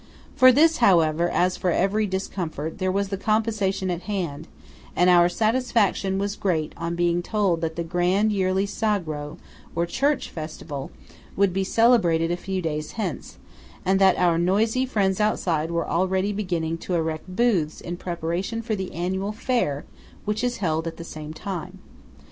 For this, however, as for every discomfort, there was compensation at hand; and our satisfaction was great on being told that the grand yearly Sagro, or church festival, would be celebrated a few days hence, and that our noisy friends outside were already beginning to erect booths in preparation for the annual fair which is held at the same time.